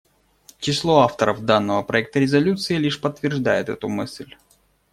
Число авторов данного проекта резолюции лишь подтверждает эту мысль.